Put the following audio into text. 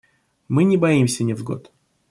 Мы не боимся невзгод.